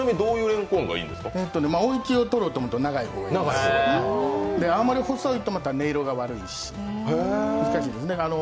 音域をとろうと思うと長い、あまり細いと、また音色が悪いし、難しいですね。